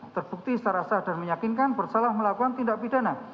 terbukti secara sah dan meyakinkan bersalah melakukan tindak pidana